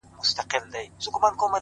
ه مړ او ځوانيمرگ دي سي’